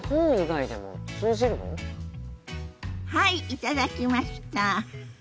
はい頂きました！